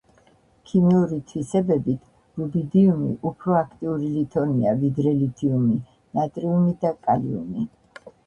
ქიმიური თვისებებით რუბიდიუმი უფრო აქტიური ლითონია, ვიდრე ლითიუმი, ნატრიუმი და კალიუმი.